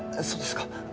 そうですか。